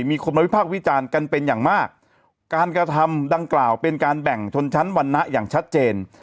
มีคนมาวิพากษ์วิจารณ์กันเป็นอย่างมากการกระทำดังกล่าวเป็นการแบ่งชนชั้นวรรณะอย่างชัดเจน